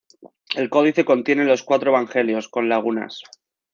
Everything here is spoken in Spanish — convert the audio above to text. El codice contiene los cuatro Evangelios, con lagunas.